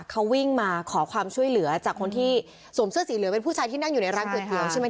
เขาวิ่งมาขอความช่วยเหลือจากคนที่สวมเสื้อสีเหลืองเป็นผู้ชายที่นั่งอยู่ในร้านก๋วยเตี๋ยวใช่ไหม